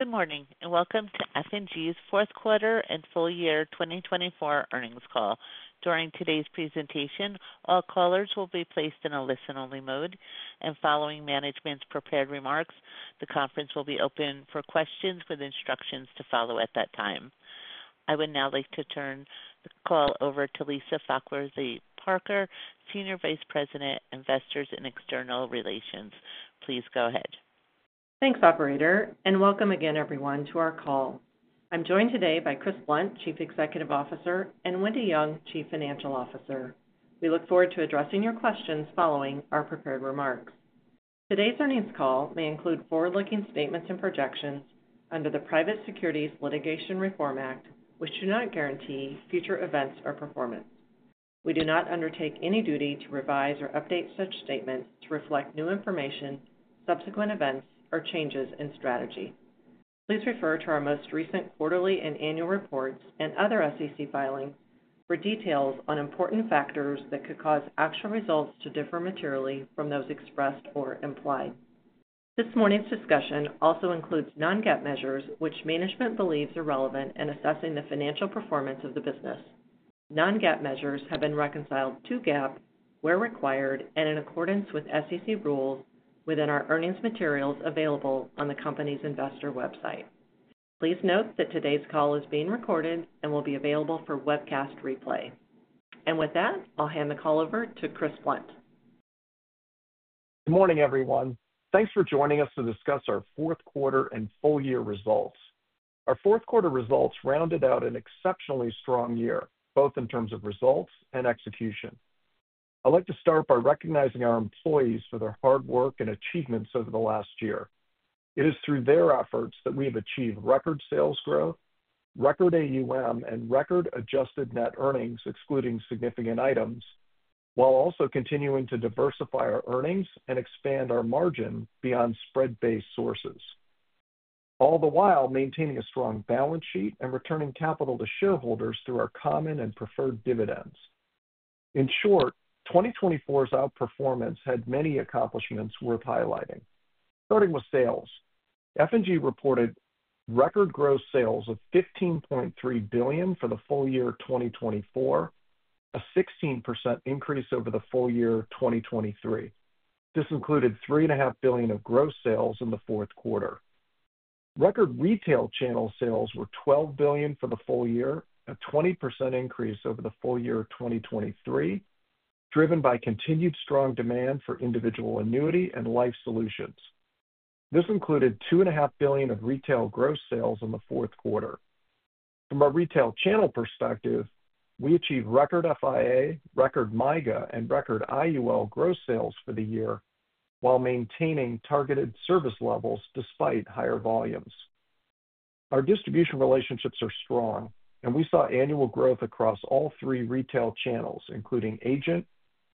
Good morning and welcome to F&G's Fourth Quarter and Full Year 2024 Earnings Call. During today's presentation, all callers will be placed in a listen-only mode, and following management's prepared remarks, the conference will be open for questions with instructions to follow at that time. I would now like to turn the call over to Lisa Foxworthy-Parker, Senior Vice President, Investors and External Relations. Please go ahead. Thanks, Operator, and welcome again, everyone, to our call. I'm joined today by Chris Blunt, Chief Executive Officer, and Wendy Young, Chief Financial Officer. We look forward to addressing your questions following our prepared remarks. Today's earnings call may include forward-looking statements and projections under the Private Securities Litigation Reform Act, which do not guarantee future events or performance. We do not undertake any duty to revise or update such statements to reflect new information, subsequent events, or changes in strategy. Please refer to our most recent quarterly and annual reports and other SEC filings for details on important factors that could cause actual results to differ materially from those expressed or implied. This morning's discussion also includes non-GAAP measures which management believes are relevant in assessing the financial performance of the business. Non-GAAP measures have been reconciled to GAAP where required and in accordance with SEC rules within our earnings materials available on the company's investor website. Please note that today's call is being recorded and will be available for webcast replay, and with that, I'll hand the call over to Chris Blunt. Good morning, everyone. Thanks for joining us to discuss our fourth quarter and full year results. Our fourth quarter results rounded out an exceptionally strong year, both in terms of results and execution. I'd like to start by recognizing our employees for their hard work and achievements over the last year. It is through their efforts that we have achieved record sales growth, record AUM, and record adjusted net earnings, excluding significant items, while also continuing to diversify our earnings and expand our margin beyond spread-based sources, all the while maintaining a strong balance sheet and returning capital to shareholders through our common and preferred dividends. In short, 2024's outperformance had many accomplishments worth highlighting. Starting with sales, F&G reported record gross sales of $15.3 billion for the full year 2024, a 16% increase over the full year 2023. This included $3.5 billion of gross sales in the fourth quarter. Record retail channel sales were $12 billion for the full year, a 20% increase over the full year 2023, driven by continued strong demand for individual annuity and life solutions. This included $2.5 billion of retail gross sales in the fourth quarter. From a retail channel perspective, we achieved record FIA, record MYGA, and record IUL gross sales for the year, while maintaining targeted service levels despite higher volumes. Our distribution relationships are strong, and we saw annual growth across all three retail channels, including agent,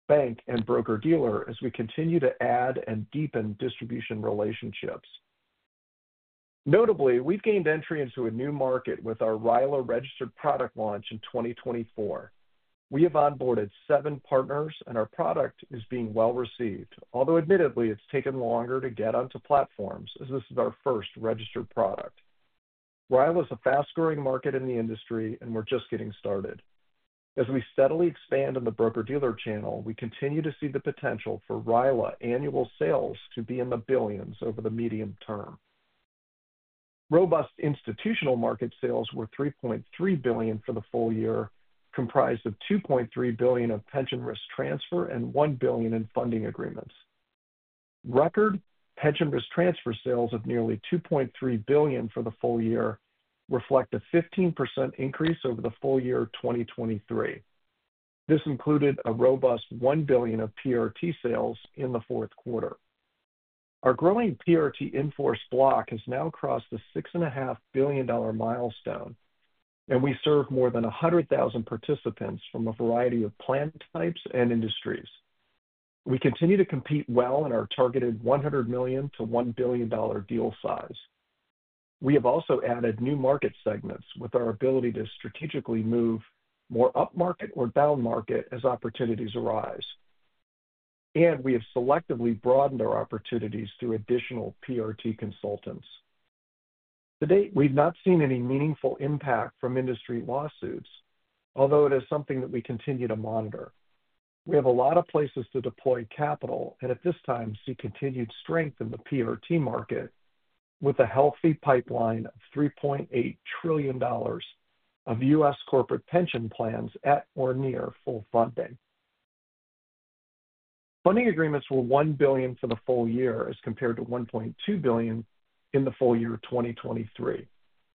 bank, and broker-dealer, as we continue to add and deepen distribution relationships. Notably, we've gained entry into a new market with our RILA registered product launch in 2024. We have onboarded seven partners, and our product is being well received, although admittedly, it's taken longer to get onto platforms as this is our first registered product. RILA is a fast-growing market in the industry, and we're just getting started. As we steadily expand in the broker-dealer channel, we continue to see the potential for RILA annual sales to be in the billions over the medium term. Robust institutional market sales were $3.3 billion for the full year, comprised of $2.3 billion of pension risk transfer and $1 billion in funding agreements. Record pension risk transfer sales of nearly $2.3 billion for the full year reflect a 15% increase over the full year 2023. This included a robust $1 billion of PRT sales in the fourth quarter. Our growing PRT in-force block has now crossed the $6.5 billion milestone, and we serve more than 100,000 participants from a variety of plan types and industries. We continue to compete well in our targeted $100 million to $1 billion deal size. We have also added new market segments with our ability to strategically move more up market or down market as opportunities arise, and we have selectively broadened our opportunities through additional PRT consultants. To date, we've not seen any meaningful impact from industry lawsuits, although it is something that we continue to monitor. We have a lot of places to deploy capital and at this time see continued strength in the PRT market with a healthy pipeline of $3.8 trillion of U.S. corporate pension plans at or near full funding. Funding agreements were $1 billion for the full year as compared to $1.2 billion in the full year 2023.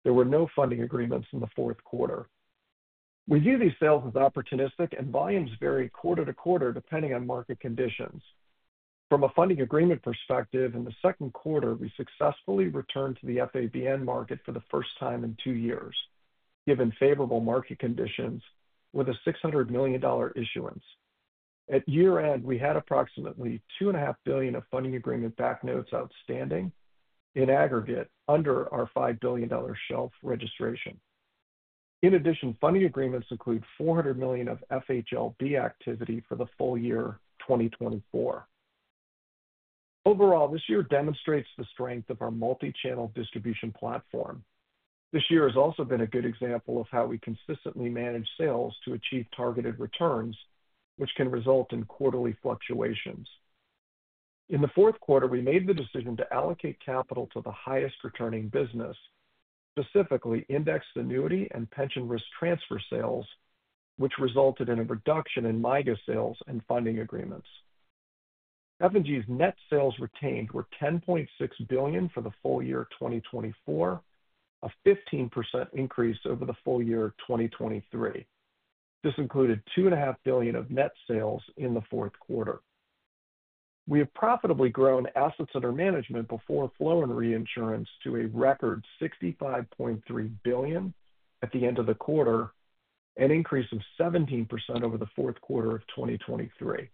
There were no funding agreements in the fourth quarter. We view these sales as opportunistic, and volumes vary quarter to quarter depending on market conditions. From a funding agreement perspective, in the second quarter, we successfully returned to the FABN market for the first time in two years, given favorable market conditions with a $600 million issuance. At year-end, we had approximately $2.5 billion of funding agreement backed-notes outstanding in aggregate under our $5 billion shelf registration. In addition, funding agreements include $400 million of FHLB activity for the full year 2024. Overall, this year demonstrates the strength of our multi-channel distribution platform. This year has also been a good example of how we consistently manage sales to achieve targeted returns, which can result in quarterly fluctuations. In the fourth quarter, we made the decision to allocate capital to the highest returning business, specifically indexed annuity and pension risk transfer sales, which resulted in a reduction in MYGA sales and funding agreements. F&G's net sales retained were $10.6 billion for the full year 2024, a 15% increase over the full year 2023. This included $2.5 billion of net sales in the fourth quarter. We have profitably grown assets under management before flow and reinsurance to a record $65.3 billion at the end of the quarter, an increase of 17% over the fourth quarter of 2023.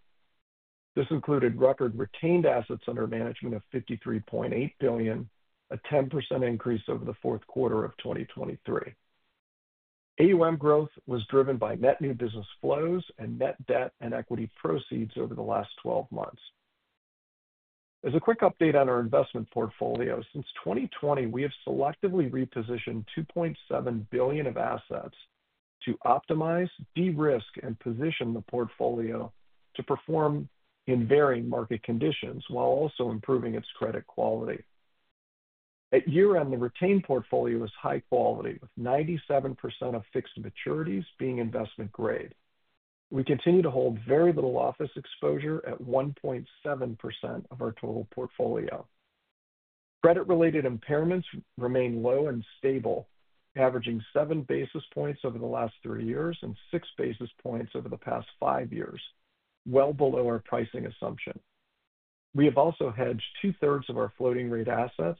This included record retained assets under management of $53.8 billion, a 10% increase over the fourth quarter of 2023. AUM growth was driven by net new business flows and net debt and equity proceeds over the last 12 months. As a quick update on our investment portfolio, since 2020, we have selectively repositioned $2.7 billion of assets to optimize, de-risk, and position the portfolio to perform in varying market conditions while also improving its credit quality. At year-end, the retained portfolio is high quality, with 97% of fixed maturities being investment grade. We continue to hold very little office exposure at 1.7% of our total portfolio. Credit-related impairments remain low and stable, averaging seven basis points over the last three years and six basis points over the past five years, well below our pricing assumption. We have also hedged two-thirds of our floating-rate assets,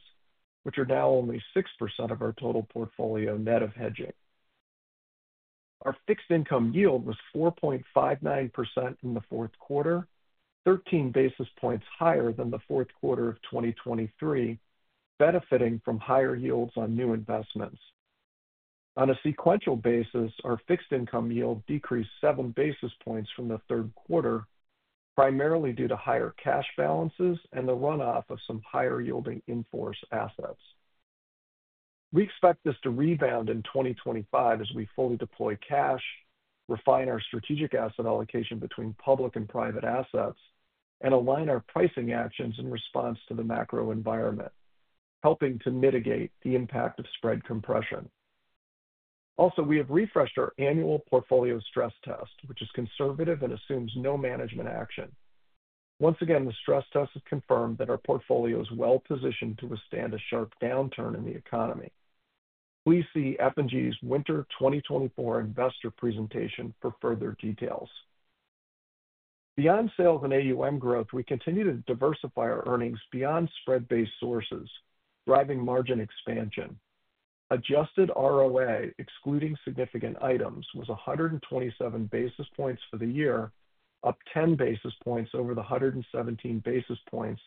which are now only 6% of our total portfolio net of hedging. Our fixed income yield was 4.59% in the fourth quarter, 13 basis points higher than the fourth quarter of 2023, benefiting from higher yields on new investments. On a sequential basis, our fixed income yield decreased seven basis points from the third quarter, primarily due to higher cash balances and the runoff of some higher-yielding in-force assets. We expect this to rebound in 2025 as we fully deploy cash, refine our strategic asset allocation between public and private assets, and align our pricing actions in response to the macro environment, helping to mitigate the impact of spread compression. Also, we have refreshed our annual portfolio stress test, which is conservative and assumes no management action. Once again, the stress test has confirmed that our portfolio is well positioned to withstand a sharp downturn in the economy. Please see F&G's Winter 2024 Investor Presentation for further details. Beyond sales and AUM growth, we continue to diversify our earnings beyond spread-based sources, driving margin expansion. Adjusted ROA, excluding significant items, was 127 basis points for the year, up 10 basis points over the 117 basis points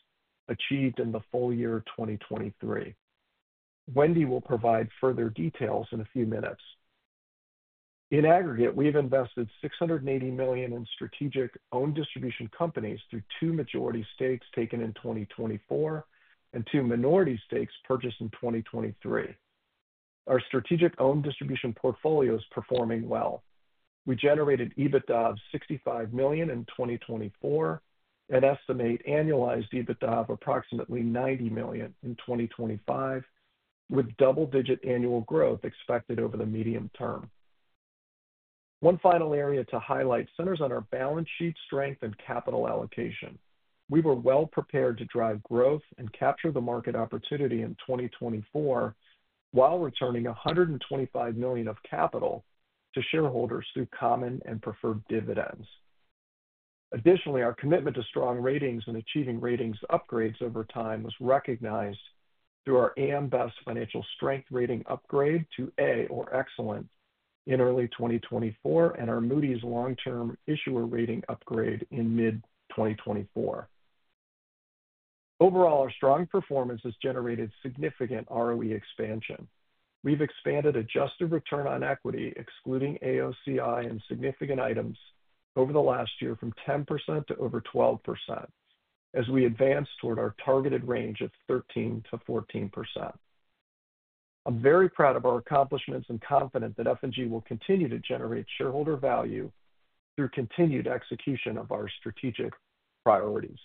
achieved in the full year 2023. Wendy will provide further details in a few minutes. In aggregate, we have invested $680 million in strategic-owned distribution companies through two majority stakes taken in 2024 and two minority stakes purchased in 2023. Our strategic-owned distribution portfolio is performing well. We generated EBITDA of $65 million in 2024 and estimate annualized EBITDA of approximately $90 million in 2025, with double-digit annual growth expected over the medium term. One final area to highlight centers on our balance sheet strength and capital allocation. We were well prepared to drive growth and capture the market opportunity in 2024 while returning $125 million of capital to shareholders through common and preferred dividends. Additionally, our commitment to strong ratings and achieving ratings upgrades over time was recognized through our AM Best financial strength rating upgrade to A or Excellent in early 2024 and our Moody's long-term issuer rating upgrade in mid-2024. Overall, our strong performance has generated significant ROE expansion. We've expanded adjusted return on equity, excluding AOCI, and significant items over the last year from 10% to over 12% as we advance toward our targeted range of 13%-14%. I'm very proud of our accomplishments and confident that F&G will continue to generate shareholder value through continued execution of our strategic priorities.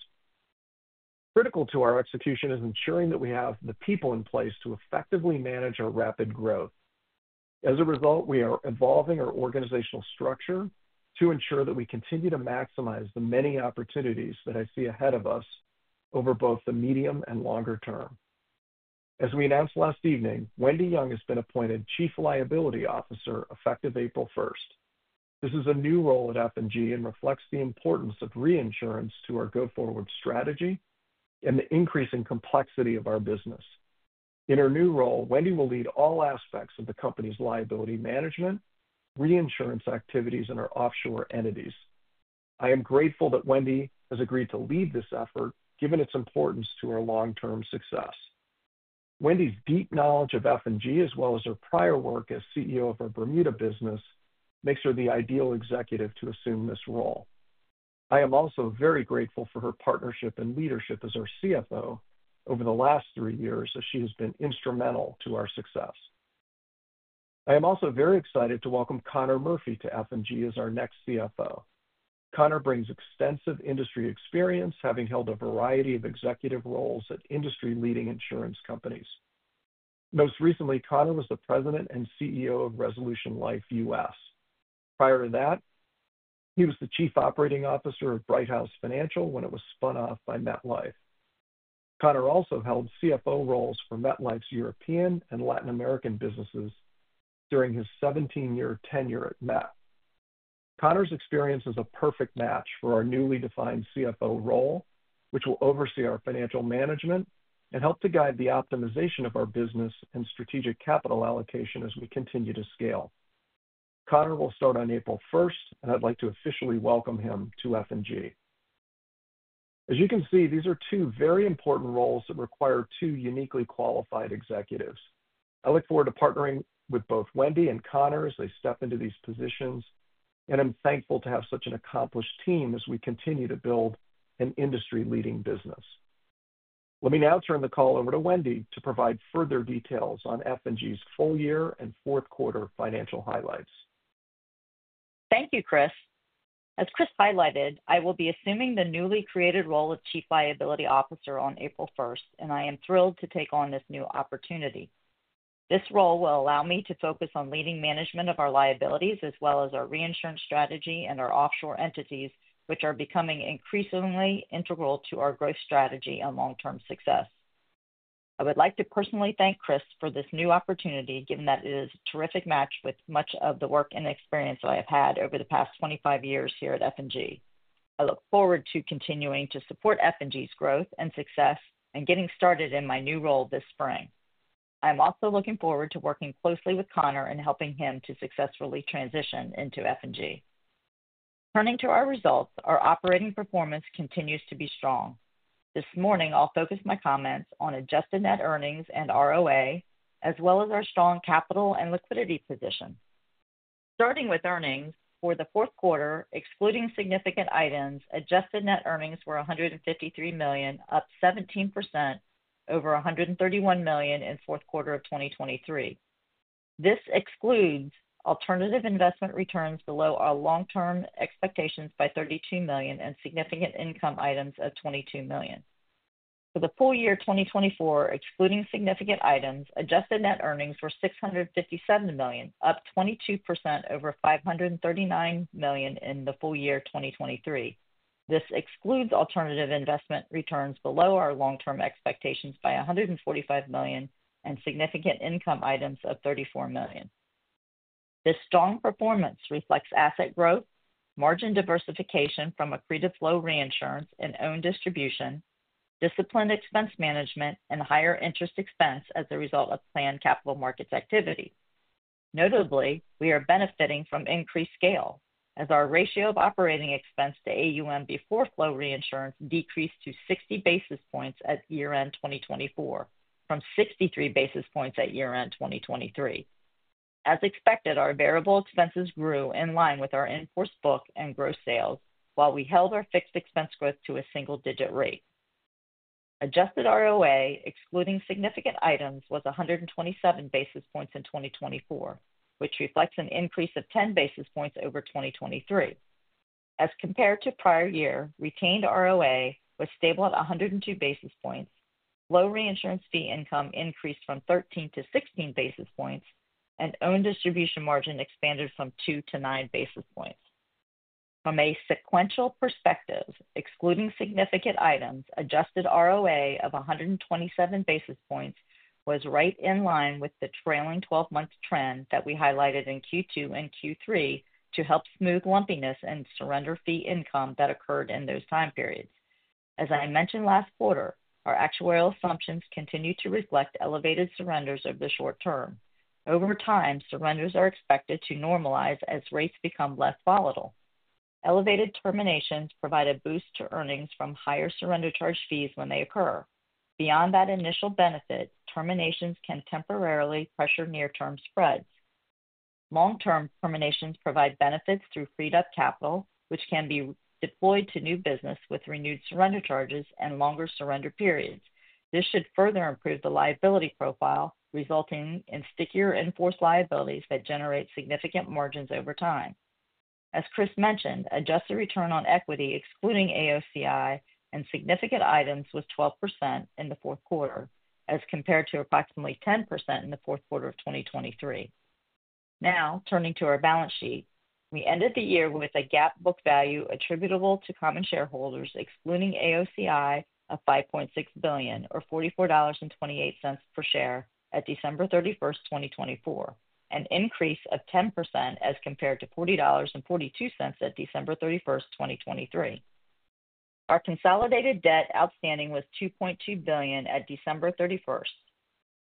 Critical to our execution is ensuring that we have the people in place to effectively manage our rapid growth. As a result, we are evolving our organizational structure to ensure that we continue to maximize the many opportunities that I see ahead of us over both the medium and longer term. As we announced last evening, Wendy Young has been appointed Chief Liability Officer effective April 1st. This is a new role at F&G and reflects the importance of reinsurance to our go-forward strategy and the increasing complexity of our business. In her new role, Wendy will lead all aspects of the company's liability management, reinsurance activities, and our offshore entities. I am grateful that Wendy has agreed to lead this effort, given its importance to our long-term success. Wendy's deep knowledge of F&G, as well as her prior work as CEO of our Bermuda business, makes her the ideal executive to assume this role. I am also very grateful for her partnership and leadership as our CFO over the last three years, as she has been instrumental to our success. I am also very excited to welcome Conor Murphy to F&G as our next CFO. Conor brings extensive industry experience, having held a variety of executive roles at industry-leading insurance companies. Most recently, Conor was the President and CEO of Resolution Life U.S.. Prior to that, he was the Chief Operating Officer of Brighthouse Financial when it was spun off by MetLife. Conor also held CFO roles for MetLife's European and Latin American businesses during his 17-year tenure at Met. Conor's experience is a perfect match for our newly defined CFO role, which will oversee our financial management and help to guide the optimization of our business and strategic capital allocation as we continue to scale. Conor will start on April 1st, and I'd like to officially welcome him to F&G. As you can see, these are two very important roles that require two uniquely qualified executives. I look forward to partnering with both Wendy and Conor as they step into these positions, and I'm thankful to have such an accomplished team as we continue to build an industry-leading business. Let me now turn the call over to Wendy to provide further details on F&G's full year and fourth quarter financial highlights. Thank you, Chris. As Chris highlighted, I will be assuming the newly created role of Chief Liability Officer on April 1st, and I am thrilled to take on this new opportunity. This role will allow me to focus on leading management of our liabilities, as well as our reinsurance strategy and our offshore entities, which are becoming increasingly integral to our growth strategy and long-term success. I would like to personally thank Chris for this new opportunity, given that it is a terrific match with much of the work and experience that I have had over the past 25 years here at F&G. I look forward to continuing to support F&G's growth and success and getting started in my new role this spring. I'm also looking forward to working closely with Conor and helping him to successfully transition into F&G. Turning to our results, our operating performance continues to be strong. This morning, I'll focus my comments on adjusted net earnings and ROA, as well as our strong capital and liquidity position. Starting with earnings, for the fourth quarter, excluding significant items, adjusted net earnings were $153 million, up 17% over $131 million in the fourth quarter of 2023. This excludes alternative investment returns below our long-term expectations by $32 million and significant income items of $22 million. For the full year 2024, excluding significant items, adjusted net earnings were $657 million, up 22% over $539 million in the full year 2023. This excludes alternative investment returns below our long-term expectations by $145 million and significant income items of $34 million. This strong performance reflects asset growth, margin diversification from accretive flow reinsurance and owned distribution, disciplined expense management, and higher interest expense as a result of planned capital markets activity. Notably, we are benefiting from increased scale, as our ratio of operating expense to AUM before flow reinsurance decreased to 60 basis points at year-end 2024, from 63 basis points at year-end 2023. As expected, our variable expenses grew in line with our in-force book and gross sales, while we held our fixed expense growth to a single-digit rate. Adjusted ROA, excluding significant items, was 127 basis points in 2024, which reflects an increase of 10 basis points over 2023. As compared to prior year, retained ROA was stable at 102 basis points, flow reinsurance fee income increased from 13-16 basis points, and owned distribution margin expanded from two-nine basis points. From a sequential perspective, excluding significant items, adjusted ROA of 127 basis points was right in line with the trailing 12-month trend that we highlighted in Q2 and Q3 to help smooth lumpiness and surrender fee income that occurred in those time periods. As I mentioned last quarter, our actuarial assumptions continue to reflect elevated surrenders over the short term. Over time, surrenders are expected to normalize as rates become less volatile. Elevated terminations provide a boost to earnings from higher surrender charge fees when they occur. Beyond that initial benefit, terminations can temporarily pressure near-term spreads. Long-term terminations provide benefits through freed-up capital, which can be deployed to new business with renewed surrender charges and longer surrender periods. This should further improve the liability profile, resulting in stickier in-force liabilities that generate significant margins over time. As Chris mentioned, adjusted return on equity, excluding AOCI and significant items, was 12% in the fourth quarter, as compared to approximately 10% in the fourth quarter of 2023. Now, turning to our balance sheet, we ended the year with a GAAP book value attributable to common shareholders, excluding AOCI, of $5.6 billion, or $44.28 per share at December 31st, 2024, an increase of 10% as compared to $40.42 at December 31st, 2023. Our consolidated debt outstanding was $2.2 billion at December 31st.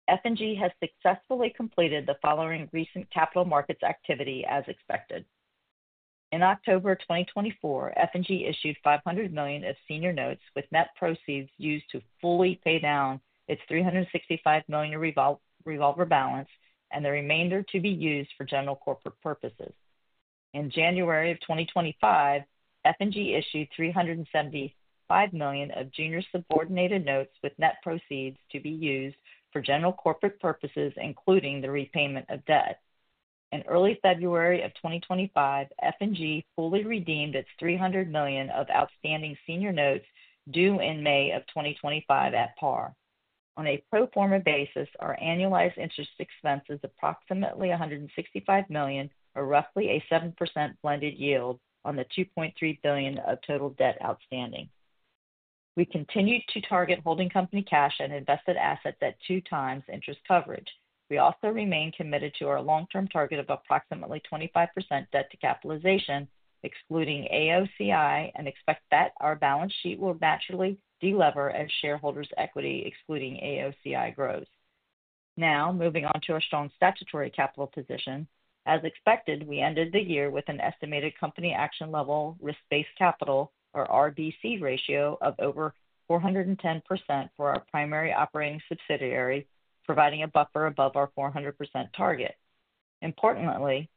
F&G has successfully completed the following recent capital markets activity as expected. In October 2024, F&G issued $500 million of senior notes, with net proceeds used to fully pay down its $365 million revolver balance and the remainder to be used for general corporate purposes. In January of 2025, F&G issued $375 million of junior subordinated notes, with net proceeds to be used for general corporate purposes, including the repayment of debt. In early February of 2025, F&G fully redeemed its $300 million of outstanding senior notes due in May of 2025 at par. On a pro forma basis, our annualized interest expense is approximately $165 million, or roughly a 7% blended yield on the $2.3 billion of total debt outstanding. We continue to target holding company cash and invested assets at two times interest coverage. We also remain committed to our long-term target of approximately 25% debt to capitalization, excluding AOCI, and expect that our balance sheet will naturally delever as shareholders' equity, excluding AOCI, grows. Now, moving on to our strong statutory capital position. As expected, we ended the year with an estimated company action level risk-based capital, or RBC, ratio of over 410% for our primary operating subsidiary, providing a buffer above our 400% target. Importantly,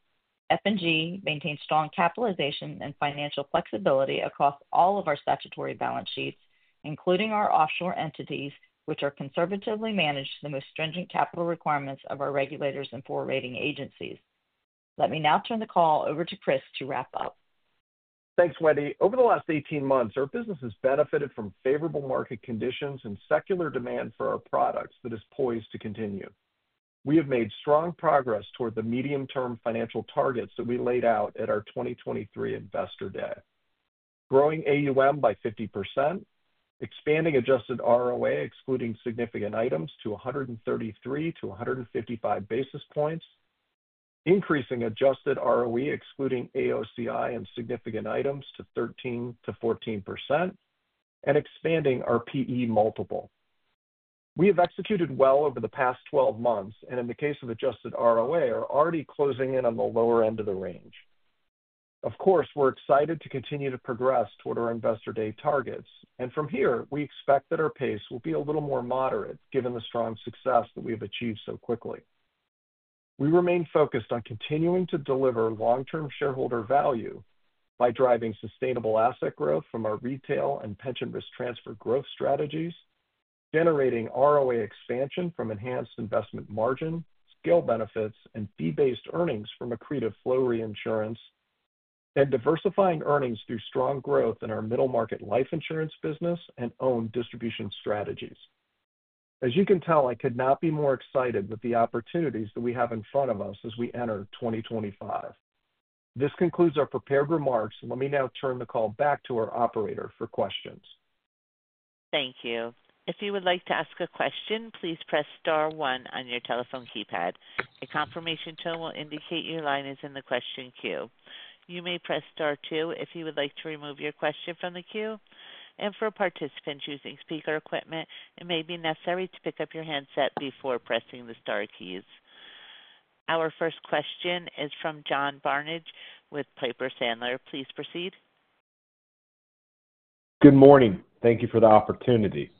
F&G maintains strong capitalization and financial flexibility across all of our statutory balance sheets, including our offshore entities, which are conservatively managed to the most stringent capital requirements of our regulators and forward rating agencies. Let me now turn the call over to Chris to wrap up. Thanks, Wendy. Over the last 18 months, our business has benefited from favorable market conditions and secular demand for our products that is poised to continue. We have made strong progress toward the medium-term financial targets that we laid out at our 2023 Investor Day: growing AUM by 50%, expanding adjusted ROA, excluding significant items, to 133-155 basis points, increasing adjusted ROE, excluding AOCI and significant items, to 13 to 14%, and expanding our PE multiple. We have executed well over the past 12 months and, in the case of adjusted ROA, are already closing in on the lower end of the range. Of course, we're excited to continue to progress toward our Investor Day targets, and from here, we expect that our pace will be a little more moderate given the strong success that we have achieved so quickly. We remain focused on continuing to deliver long-term shareholder value by driving sustainable asset growth from our retail and pension risk transfer growth strategies, generating ROA expansion from enhanced investment margin, scale benefits, and fee-based earnings from accretive flow reinsurance, and diversifying earnings through strong growth in our middle market life insurance business and owned distribution strategies. As you can tell, I could not be more excited with the opportunities that we have in front of us as we enter 2025. This concludes our prepared remarks. Let me now turn the call back to our operator for questions. Thank you. If you would like to ask a question, please press star one on your telephone keypad. A confirmation tone will indicate your line is in the question queue. You may press star two if you would like to remove your question from the queue. For participants using speaker equipment, it may be necessary to pick up your handset before pressing the Star keys. Our first question is from John Barnidge with Piper Sandler. Please proceed. Good morning. Thank you for the opportunity.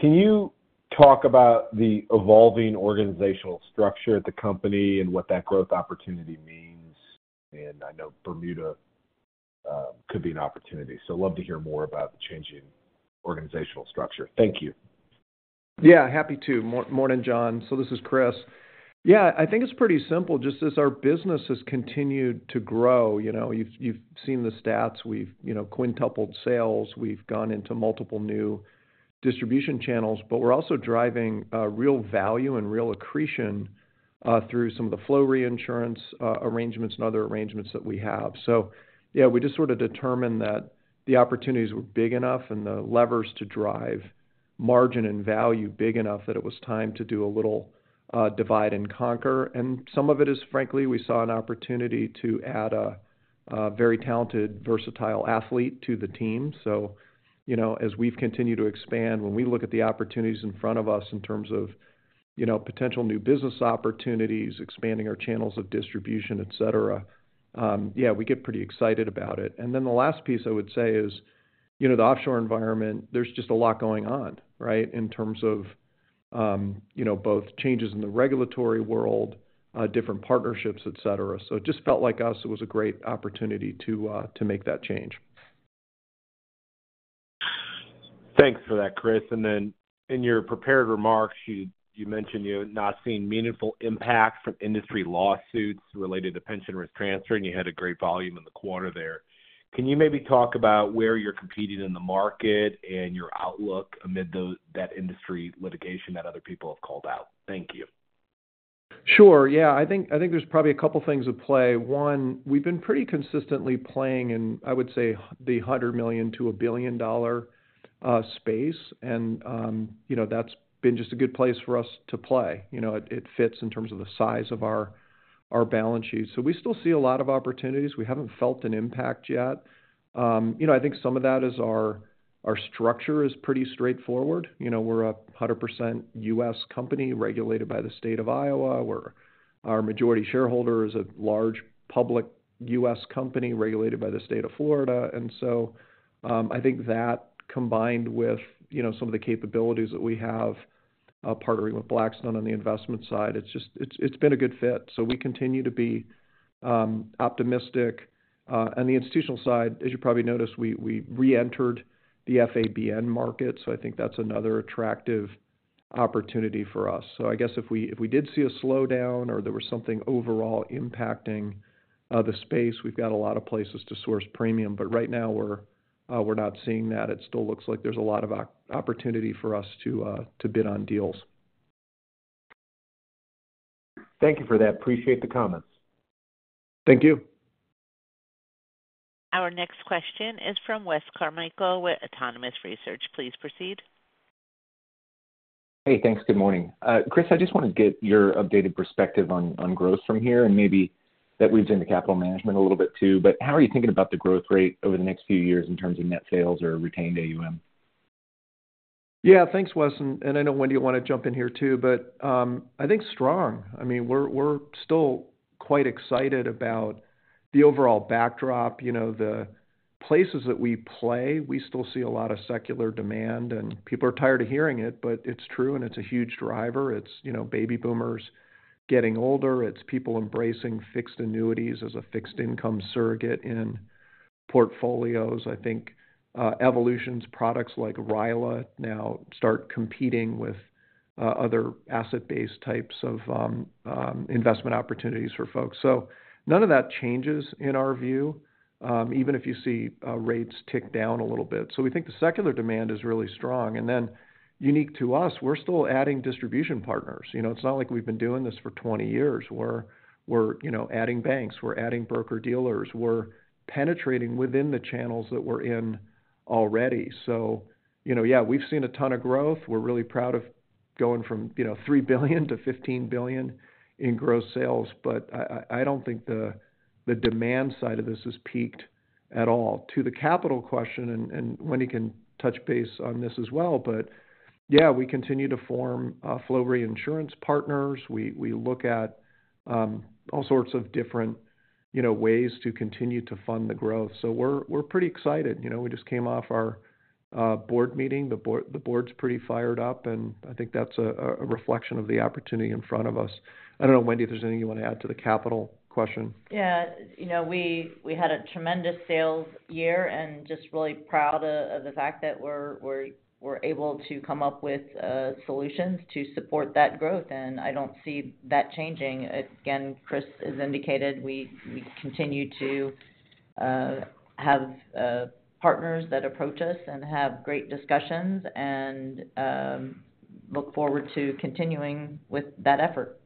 Can you talk about the evolving organizational structure at the company and what that growth opportunity means? And I know Bermuda could be an opportunity, so I'd love to hear more about the changing organizational structure. Thank you. Yeah, happy to. Morning, John. So this is Chris. Yeah, I think it's pretty simple. Just as our business has continued to grow, you've seen the stats. We've quintupled sales. We've gone into multiple new distribution channels, but we're also driving real value and real accretion through some of the flow reinsurance arrangements and other arrangements that we have. So yeah, we just sort of determined that the opportunities were big enough and the levers to drive margin and value big enough that it was time to do a little divide and conquer. And some of it is, frankly, we saw an opportunity to add a very talented, versatile athlete to the team. So as we've continued to expand, when we look at the opportunities in front of us in terms of potential new business opportunities, expanding our channels of distribution, etc., yeah, we get pretty excited about it. And then the last piece I would say is the offshore environment, there's just a lot going on, right, in terms of both changes in the regulatory world, different partnerships, etc. So it just felt like it was a great opportunity to make that change. Thanks for that, Chris. Then in your prepared remarks, you mentioned you had not seen meaningful impact from industry lawsuits related to pension risk transfer, and you had a great volume in the quarter there. Can you maybe talk about where you're competing in the market and your outlook amid that industry litigation that other people have called out? Thank you. Sure. Yeah, I think there's probably a couple of things at play. One, we've been pretty consistently playing in, I would say, the $100 million-$1 billion space, and that's been just a good place for us to play. It fits in terms of the size of our balance sheet. So we still see a lot of opportunities. We haven't felt an impact yet. I think some of that is our structure is pretty straightforward. We're a 100% U.S. company regulated by the state of Iowa. Our majority shareholder is a large public U.S. company regulated by the state of Florida. And so I think that combined with some of the capabilities that we have partnering with Blackstone on the investment side, it's been a good fit. So we continue to be optimistic. On the institutional side, as you probably noticed, we re-entered the FABN market, so I think that's another attractive opportunity for us. So I guess if we did see a slowdown or there was something overall impacting the space, we've got a lot of places to source premium. But right now, we're not seeing that. It still looks like there's a lot of opportunity for us to bid on deals. Thank you for that. Appreciate the comments. Thank you. Our next question is from Wes Carmichael with Autonomous Research. Please proceed. Hey, thanks. Good morning. Chris, I just want to get your updated perspective on growth from here and maybe that we've seen the capital management a little bit too. But how are you thinking about the growth rate over the next few years in terms of net sales or retained AUM? Yeah, thanks, Wes. And I know, Wendy, I want to jump in here too, but I think strong. I mean, we're still quite excited about the overall backdrop. The places that we play, we still see a lot of secular demand, and people are tired of hearing it, but it's true, and it's a huge driver. It's baby boomers getting older. It's people embracing fixed annuities as a fixed income surrogate in portfolios. I think Evolution's products like RILA now start competing with other asset-based types of investment opportunities for folks. None of that changes in our view, even if you see rates tick down a little bit. We think the secular demand is really strong. Unique to us, we're still adding distribution partners. It's not like we've been doing this for 20 years. We're adding banks. We're adding broker-dealers. We're penetrating within the channels that we're in already. Yeah, we've seen a ton of growth. We're really proud of going from $3 billion-$15 billion in gross sales, but I don't think the demand side of this has peaked at all. To the capital question, and Wendy can touch base on this as well, but yeah, we continue to form flow reinsurance partners. We look at all sorts of different ways to continue to fund the growth. We're pretty excited. We just came off our board meeting. The board's pretty fired up, and I think that's a reflection of the opportunity in front of us. I don't know, Wendy, if there's anything you want to add to the capital question. Yeah. We had a tremendous sales year and just really proud of the fact that we're able to come up with solutions to support that growth, and I don't see that changing. Again, Chris has indicated we continue to have partners that approach us and have great discussions and look forward to continuing with that effort.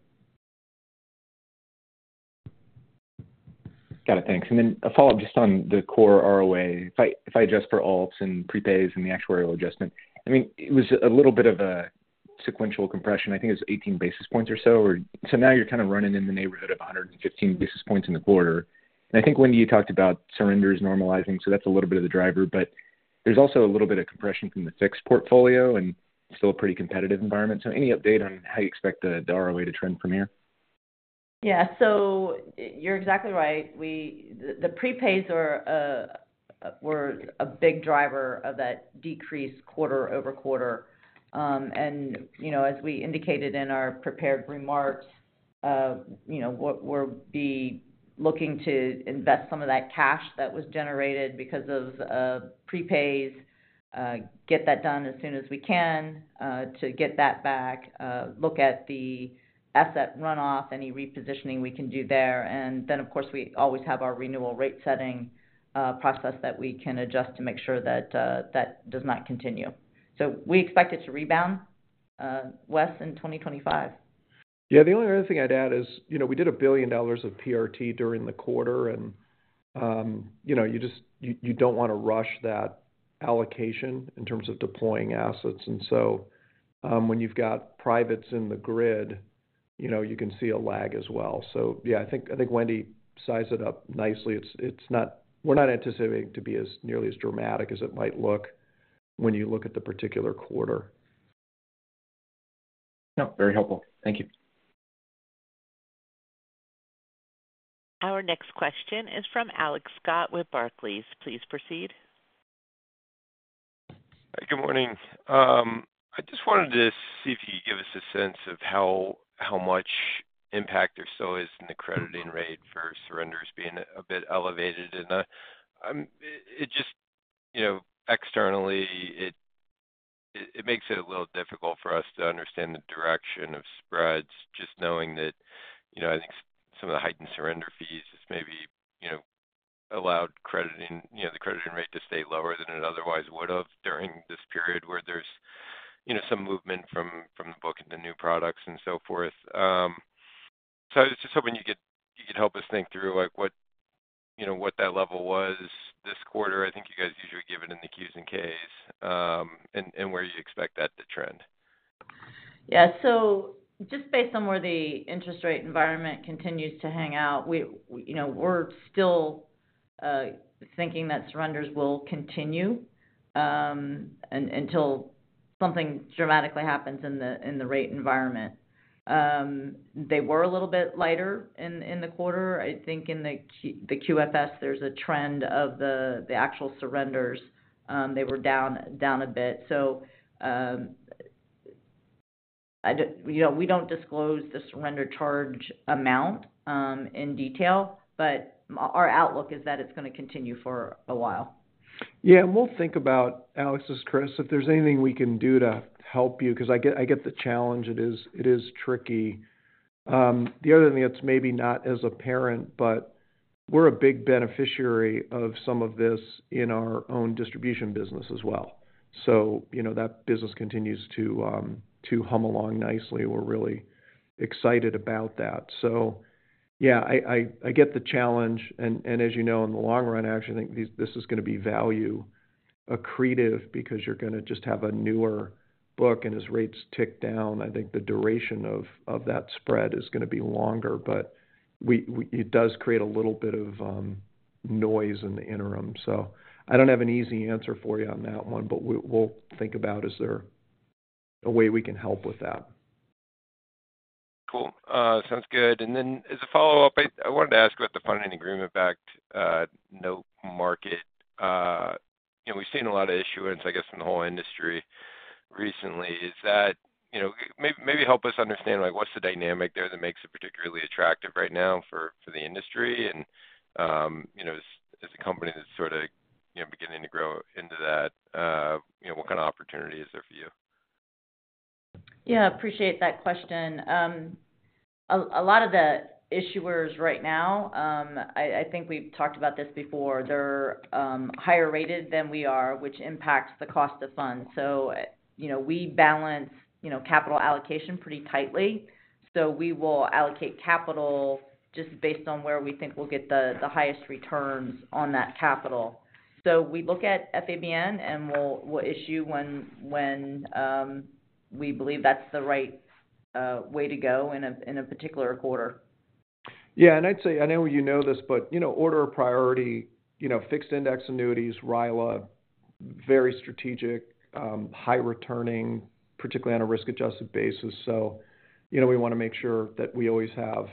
Got it. Thanks. And then a follow-up just on the core ROA. If I adjust for ALTs and prepays and the actuarial adjustment, I mean, it was a little bit of a sequential compression. I think it was 18 basis points or so. So now you're kind of running in the neighborhood of 115 basis points in the quarter. I think, Wendy, you talked about surrenders normalizing, so that's a little bit of the driver, but there's also a little bit of compression from the fixed portfolio and still a pretty competitive environment. Any update on how you expect the ROA to trend from here? Yeah. You're exactly right. The prepays were a big driver of that decrease quarter over quarter. As we indicated in our prepared remarks, we'll be looking to invest some of that cash that was generated because of prepays, get that done as soon as we can to get that back, look at the asset runoff, any repositioning we can do there. Of course, we always have our renewal rate-setting process that we can adjust to make sure that that does not continue. We expect it to rebound, Wes, in 2025. Yeah. The only other thing I'd add is we did $1 billion of PRT during the quarter, and you don't want to rush that allocation in terms of deploying assets. And so when you've got privates in the grid, you can see a lag as well. So yeah, I think Wendy sized it up nicely. We're not anticipating to be as nearly as dramatic as it might look when you look at the particular quarter. No, very helpful. Thank you. Our next question is from Alex Scott with Barclays. Please proceed. Good morning. I just wanted to see if you could give us a sense of how much impact there still is in the crediting rate for surrenders being a bit elevated? Just externally, it makes it a little difficult for us to understand the direction of spreads, just knowing that I think some of the heightened surrender fees has maybe allowed the crediting rate to stay lower than it otherwise would have during this period where there's some movement from the book into new products and so forth. So I was just hoping you could help us think through what that level was this quarter. I think you guys usually give it in the Qs and Ks and where you expect that to trend. Yeah. So just based on where the interest rate environment continues to hang out, we're still thinking that surrenders will continue until something dramatically happens in the rate environment. They were a little bit lighter in the quarter. I think in the QFS, there's a trend of the actual surrenders. They were down a bit. We don't disclose the surrender charge amount in detail, but our outlook is that it's going to continue for a while. Yeah. We'll think about, Alex, Chris, if there's anything we can do to help you because I get the challenge. It is tricky. The other thing that's maybe not as apparent, but we're a big beneficiary of some of this in our own distribution business as well. That business continues to hum along nicely. We're really excited about that. Yeah, I get the challenge. As you know, in the long run, I actually think this is going to be value accretive because you're going to just have a newer book, and as rates tick down, I think the duration of that spread is going to be longer, but it does create a little bit of noise in the interim. So I don't have an easy answer for you on that one, but we'll think about is there a way we can help with that. Cool. Sounds good, and then as a follow-up, I wanted to ask about the Funding Agreement Backed Notes market. We've seen a lot of issuance, I guess, in the whole industry recently. Maybe help us understand what's the dynamic there that makes it particularly attractive right now for the industry, and as a company that's sort of beginning to grow into that, what kind of opportunity is there for you? Yeah. I appreciate that question. A lot of the issuers right now, I think we've talked about this before, they're higher rated than we are, which impacts the cost of funds, so we balance capital allocation pretty tightly. So we will allocate capital just based on where we think we'll get the highest returns on that capital. So we look at FABN, and we'll issue when we believe that's the right way to go in a particular quarter. Yeah. And I know you know this, but order of priority, fixed indexed annuities, RILA, very strategic, high returning, particularly on a risk-adjusted basis. So we want to make sure that we always have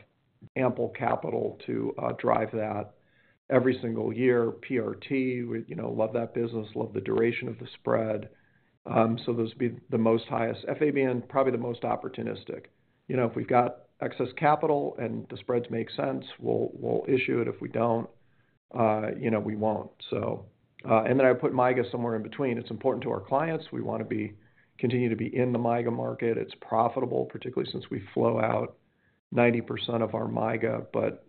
ample capital to drive that every single year. PRT, we love that business, love the duration of the spread. So those would be the most highest. FABN, probably the most opportunistic. If we've got excess capital and the spreads make sense, we'll issue it. If we don't, we won't. And then I would put MYGA somewhere in between. It's important to our clients. We want to continue to be in the MYGA market. It's profitable, particularly since we flow out 90% of our MYGA, but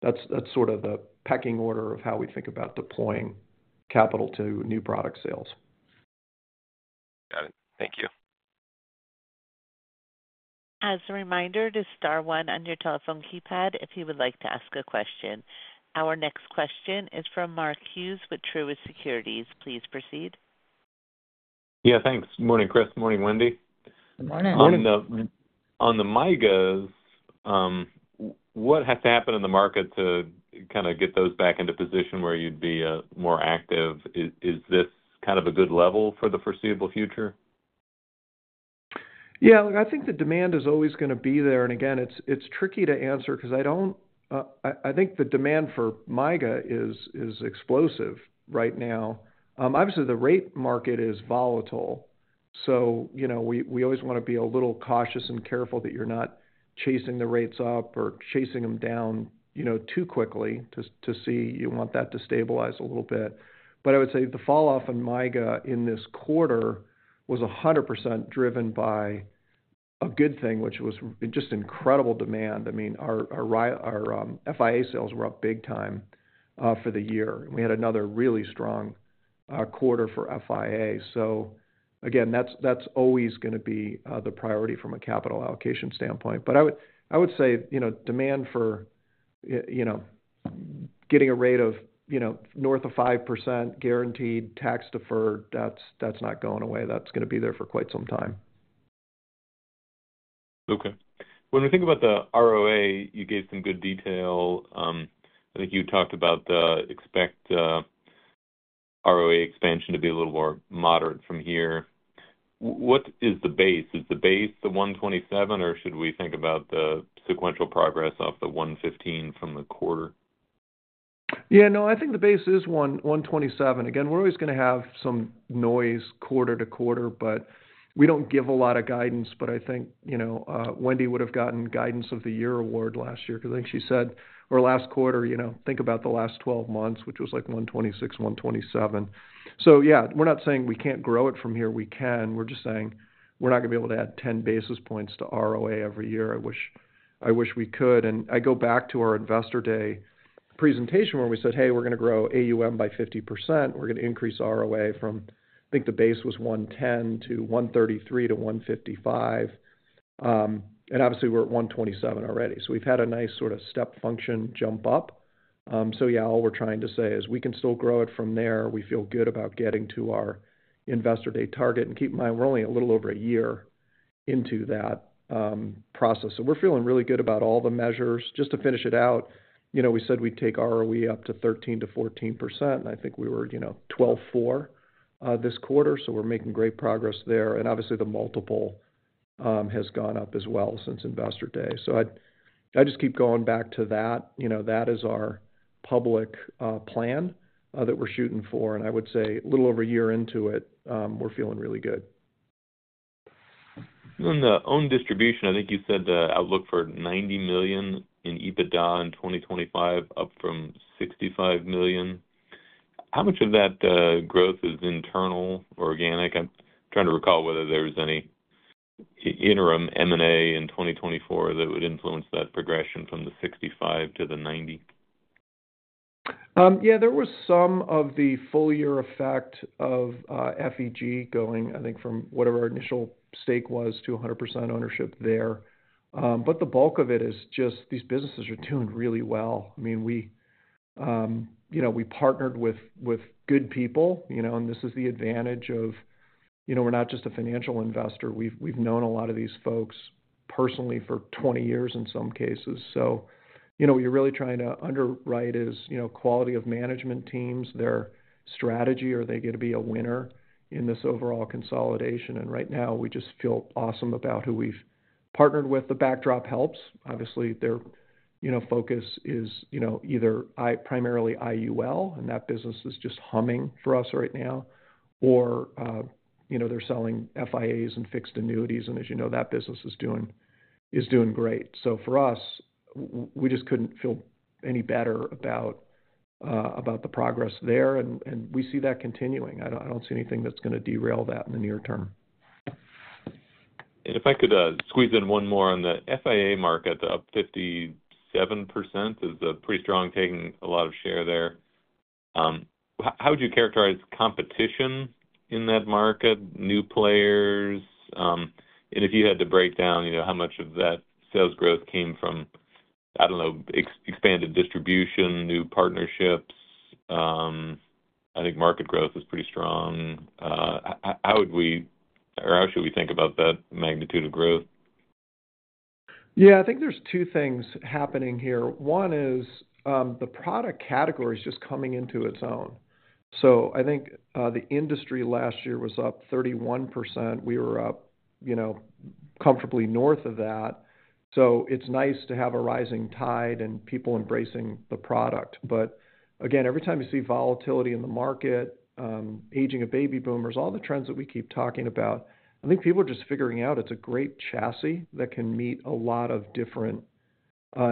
that's sort of the pecking order of how we think about deploying capital to new product sales. Got it. Thank you. As a reminder, this is star one on your telephone keypad if you would like to ask a question. Our next question is from Mark Hughes with Truist Securities. Please proceed. Yeah. Thanks. Morning, Chris. Morning, Wendy. On the MYGAs, what has to happen in the market to kind of get those back into position where you'd be more active? Is this kind of a good level for the foreseeable future? Yeah. I think the demand is always going to be there. And again, it's tricky to answer because I think the demand for MYGA is explosive right now. Obviously, the rate market is volatile. We always want to be a little cautious and careful that you're not chasing the rates up or chasing them down too quickly to see. You want that to stabilize a little bit. But I would say the falloff in MYGA in this quarter was 100% driven by a good thing, which was just incredible demand. I mean, our FIA sales were up big time for the year. We had another really strong quarter for FIA. So again, that's always going to be the priority from a capital allocation standpoint. But I would say demand for getting a rate of north of 5% guaranteed tax-deferred, that's not going away. That's going to be there for quite some time. Okay. When we think about the ROA, you gave some good detail. I think you talked about expect ROA expansion to be a little more moderate from here. What is the base? Is the base the 127, or should we think about the sequential progress off the 115 from the quarter? Yeah. No, I think the base is 127. Again, we're always going to have some noise quarter to quarter, but we don't give a lot of guidance. But I think Wendy would have gotten Guidance of the Year award last year because I think she said, or last quarter, think about the last 12 months, which was like 126, 127. So yeah, we're not saying we can't grow it from here. We can. We're just saying we're not going to be able to add 10 basis points to ROA every year. I wish we could. And I go back to our Investor Day presentation where we said, "Hey, we're going to grow AUM by 50%. We're going to increase ROA from. I think the base was 110-133-155. And obviously, we're at 127 already. So we've had a nice sort of step function jump up. So yeah, all we're trying to say is we can still grow it from there. We feel good about getting to our Investor Day target. And keep in mind, we're only a little over a year into that process. So we're feeling really good about all the measures. Just to finish it out, we said we'd take ROE up to 13%-14%, and I think we were 12.4 this quarter. So we're making great progress there. And obviously, the multiple has gone up as well since Investor Day. So I just keep going back to that. That is our public plan that we're shooting for. I would say a little over a year into it, we're feeling really good. On the own distribution, I think you said the outlook for $90 million in EBITDA in 2025, up from $65 million. How much of that growth is internal, organic? I'm trying to recall whether there was any interim M&A in 2024 that would influence that progression from the $65 million to the $90 million. Yeah. There was some of the full year effect of FEG going, I think, from whatever our initial stake was to 100% ownership there. But the bulk of it is just these businesses are doing really well. I mean, we partnered with good people, and this is the advantage of we're not just a financial investor. We've known a lot of these folks personally for 20 years in some cases. So what you're really trying to underwrite is quality of management teams, their strategy, or are they going to be a winner in this overall consolidation? And right now, we just feel awesome about who we've partnered with. The backdrop helps. Obviously, their focus is either primarily IUL, and that business is just humming for us right now, or they're selling FIAs and fixed annuities. And as you know, that business is doing great. So for us, we just couldn't feel any better about the progress there. And we see that continuing. I don't see anything that's going to derail that in the near term. And if I could squeeze in one more on the FIA market, the up 57% is a pretty strong taking a lot of share there. How would you characterize competition in that market, new players? And if you had to break down how much of that sales growth came from, I don't know, expanded distribution, new partnerships? I think market growth is pretty strong. How would we or how should we think about that magnitude of growth? Yeah. I think there's two things happening here. One is the product category is just coming into its own. So I think the industry last year was up 31%. We were up comfortably north of that. So it's nice to have a rising tide and people embracing the product. But again, every time you see volatility in the market, aging of baby boomers, all the trends that we keep talking about, I think people are just figuring out it's a great chassis that can meet a lot of different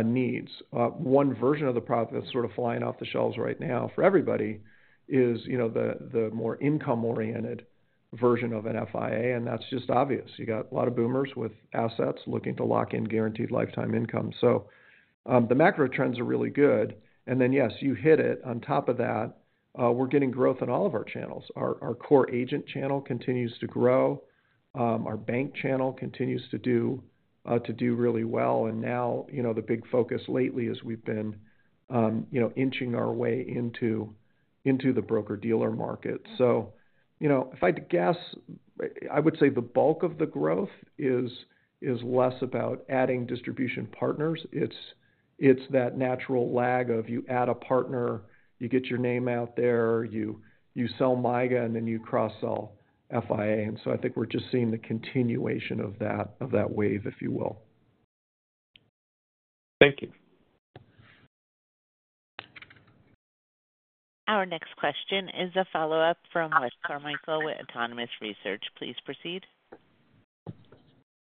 needs. One version of the product that's sort of flying off the shelves right now for everybody is the more income-oriented version of an FIA. And that's just obvious. You got a lot of boomers with assets looking to lock in guaranteed lifetime income. So the macro trends are really good. And then, yes, you hit it. On top of that, we're getting growth in all of our channels. Our core agent channel continues to grow. Our bank channel continues to do really well. And now the big focus lately is we've been inching our way into the broker-dealer market. So if I had to guess, I would say the bulk of the growth is less about adding distribution partners. It's that natural lag of you add a partner, you get your name out there, you sell MYGA, and then you cross-sell FIA. And so I think we're just seeing the continuation of that wave, if you will. Thank you. Our next question is a follow-up from Wes Carmichael with Autonomous Research. Please proceed.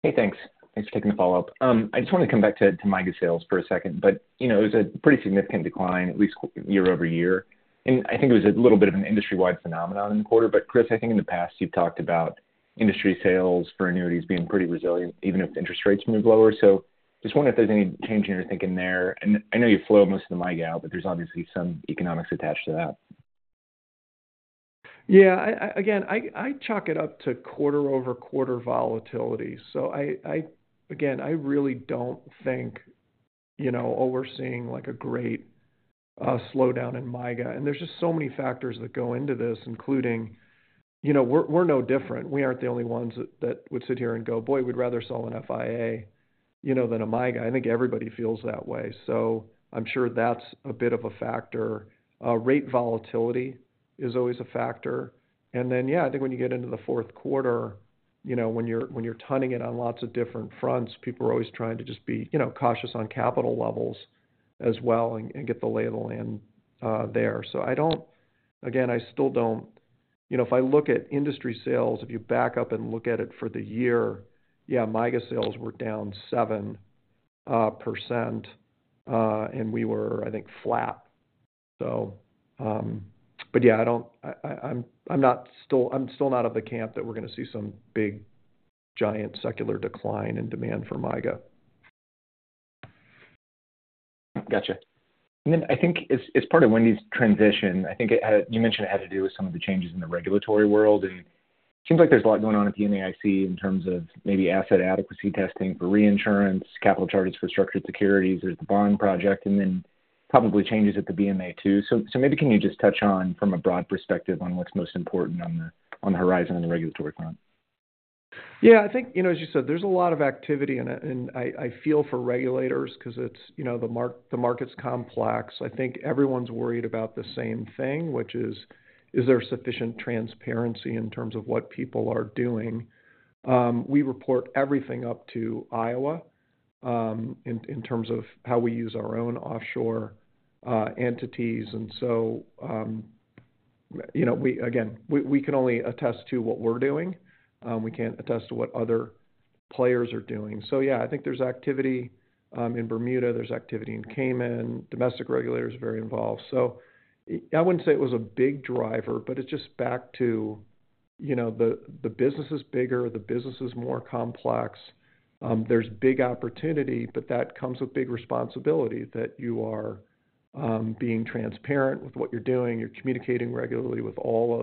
Hey, thanks. Thanks for taking the follow-up. I just wanted to come back to MYGA sales for a second, but it was a pretty significant decline, at least year-over-year. And I think it was a little bit of an industry-wide phenomenon in the quarter. But Chris, I think in the past, you've talked about industry sales for annuities being pretty resilient, even if interest rates move lower. So just wondering if there's any change in your thinking there. And I know you flow most of the MYGA out, but there's obviously some economics attached to that. Yeah. Again, I chalk it up to quarter-over-quarter volatility. So again, I really don't think, "Oh, we're seeing a great slowdown in MYGA." And there's just so many factors that go into this, including we're no different. We aren't the only ones that would sit here and go, "Boy, we'd rather sell an FIA than a MYGA." I think everybody feels that way. So I'm sure that's a bit of a factor. Rate volatility is always a factor. And then, yeah, I think when you get into the fourth quarter, when you're juggling it on lots of different fronts, people are always trying to just be cautious on capital levels as well and get the lay of the land there. So again, I still don't know if I look at industry sales, if you back up and look at it for the year, yeah, MYGA sales were down 7%, and we were, I think, flat. But yeah, I'm still not of the camp that we're going to see some big giant secular decline in demand for MYGA. Gotcha. And then I think as part of Wendy's transition, I think you mentioned it had to do with some of the changes in the regulatory world. And it seems like there's a lot going on at the NAIC in terms of maybe asset adequacy testing for reinsurance, capital charges for structured securities. There's the Bond Project, and then probably changes at the BMA too. So maybe can you just touch on, from a broad perspective, on what's most important on the horizon on the regulatory front? Yeah. I think, as you said, there's a lot of activity. And I feel for regulators because the market's complex. I think everyone's worried about the same thing, which is, is there sufficient transparency in terms of what people are doing? We report everything up to Iowa in terms of how we use our own offshore entities. And so again, we can only attest to what we're doing. We can't attest to what other players are doing. So yeah, I think there's activity in Bermuda. There's activity in Cayman. Domestic regulators are very involved. So I wouldn't say it was a big driver, but it's just back to the business is bigger, the business is more complex. There's big opportunity, but that comes with big responsibility that you are being transparent with what you're doing. You're communicating regularly with all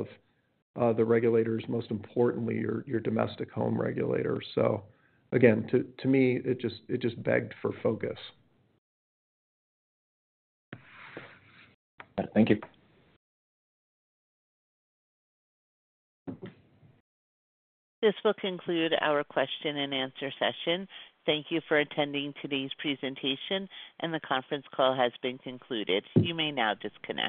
of the regulators, most importantly, your domestic home regulator. So again, to me, it just begged for focus. Thank you. This will conclude our question and answer session. Thank you for attending today's presentation, and the conference call has been concluded. You may now disconnect.